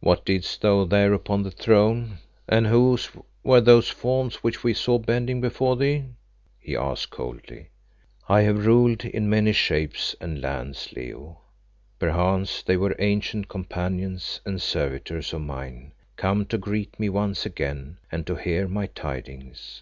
"What didst thou there upon the throne, and whose were those forms which we saw bending before thee?" he asked coldly. "I have ruled in many shapes and lands, Leo. Perchance they were ancient companions and servitors of mine come to greet me once again and to hear my tidings.